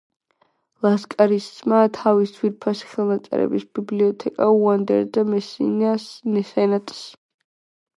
ლასკარისმა თავისი ძვირფასი ხელნაწერების ბიბლიოთეკა უანდერძა მესინას სენატს.